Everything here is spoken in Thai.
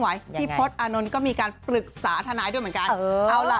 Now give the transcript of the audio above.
ไว้พี่พลอานนท์ก็มีการปรึกษาธนายศิษย์ด้วยเหมือนกันเอาล่ะ